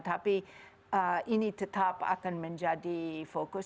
tapi ini tetap akan menjadi fokus